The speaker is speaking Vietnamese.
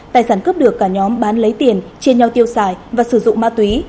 tài sản cướp được cả nhóm bán lấy tiền chia nhau tiêu xài và sử dụng ma túy